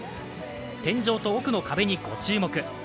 天井と奥の壁にご注目。